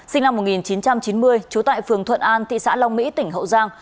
sinh năm một nghìn chín trăm chín mươi trú tại phường thuận an thị xã long mỹ tỉnh hậu giang